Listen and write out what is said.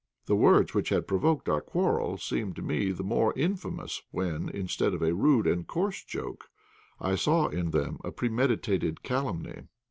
The words which had provoked our quarrel seemed to me the more infamous when, instead of a rude and coarse joke, I saw in them a premeditated calumny.